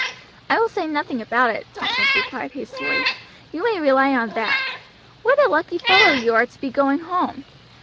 "I will say nothing about it," Tompkins replied hastily; "you may rely on that. What a lucky fellow you are to be going home!